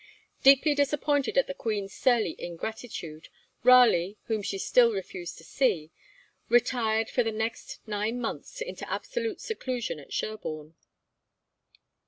Deeply disappointed at the Queen's surly ingratitude, Raleigh, whom she still refused to see, retired for the next nine months into absolute seclusion at Sherborne.